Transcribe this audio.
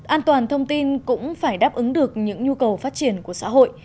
an toàn thông tin cũng phải đáp ứng được những nhu cầu phát triển của xã hội